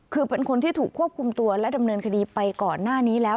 คือเป็นคนที่ถูกควบคุมตัวและดำเนินคดีไปก่อนหน้านี้แล้ว